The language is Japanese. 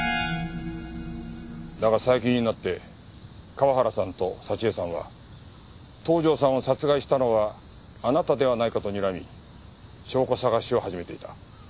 だが最近になって河原さんと沙知絵さんは東条さんを殺害したのはあなたではないかと睨み証拠捜しを始めていた。